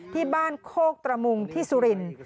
ที่บ้านโคกตระมุงที่สุรินทร์